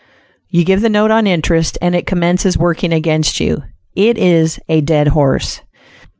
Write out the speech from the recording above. You give the note on interest and it commences working against you; "it is a dead horse."